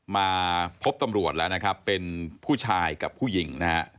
มาพบตำรวจแล้วเป็นผู้ชายกับผู้หญิง